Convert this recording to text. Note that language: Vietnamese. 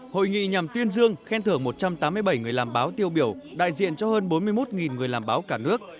hội nghị nhằm tuyên dương khen thưởng một trăm tám mươi bảy người làm báo tiêu biểu đại diện cho hơn bốn mươi một người làm báo cả nước